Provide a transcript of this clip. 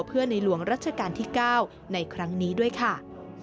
เพื่อในหลวงรัชกาลที่๙ในครั้งนี้ด้วยค่ะ